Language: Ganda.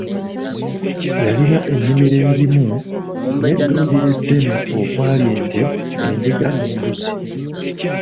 Yalina ennimiro engimu n'eddundiro eddene okwali ente, endiga n'embuzi.